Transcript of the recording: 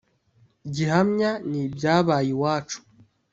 gihamya ni ibyabaye iwacu.